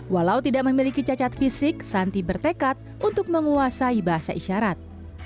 walau tidak memiliki cacat fisik santi bertekad untuk menguasai bahasa isyarat